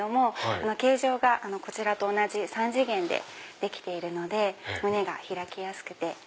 形状がこちらと同じ３次元でできているので胸が開きやすくて。